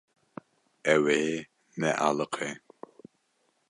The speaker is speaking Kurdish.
Ew ê nealiqe.